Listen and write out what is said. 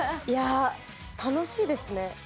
いや楽しいですね。